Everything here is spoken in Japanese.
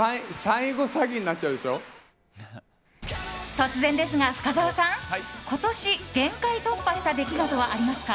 突然ですが、深澤さん今年、限界突破した出来事はありますか？